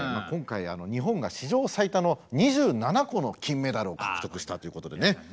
今回日本が史上最多の２７個の金メダルを獲得したということでね。